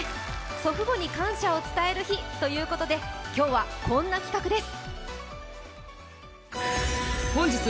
祖父母に感謝を伝える日ということで、今日はこんな企画です。